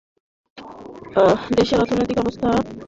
দেশের অর্থনৈতিক অবস্থা বৈদেশিক বাণিজ্যের উপর নির্ভরশীল।